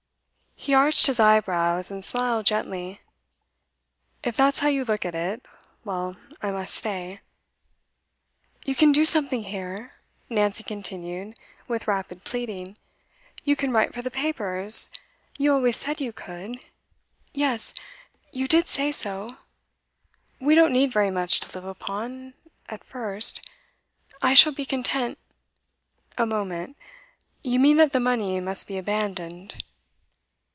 He arched his eyebrows, and smiled gently. 'If that's how you look at it well, I must stay.' 'You can do something here,' Nancy continued, with rapid pleading. 'You can write for the papers. You always said you could yes, you did say so. We don't need very much to live upon at first. I shall be content ' 'A moment. You mean that the money must be abandoned.